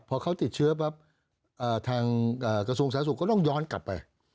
พอเขาติดเชื้อปั๊บทางกระทรวงสาธารสุขก็ต้องย้อนกลับไป